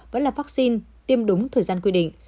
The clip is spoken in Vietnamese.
vẫn là vaccine tiêm đúng thời gian quy định